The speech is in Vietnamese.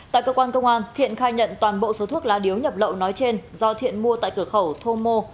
tại cơ quan công an thiện khai nhận toàn bộ số thuốc lá điếu nhập lậu nói trên do thiện mua tại cửa khẩu thô mô